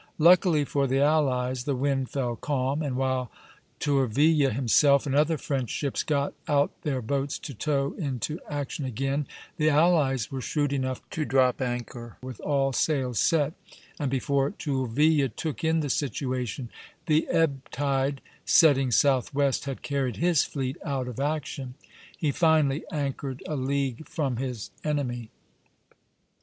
Luckily for the allies the wind fell calm; and while Tourville himself and other French ships got out their boats to tow into action again, the allies were shrewd enough to drop anchor with all sail set, and before Tourville took in the situation the ebb tide, setting southwest, had carried his fleet out of action. He finally anchored a league from his enemy.